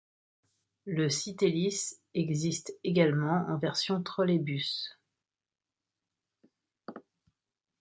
Le Citelis existe également en version trolleybus.